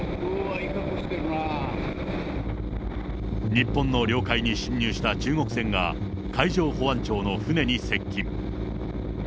日本の領海に侵入した中国船が、海上保安庁の船に接近。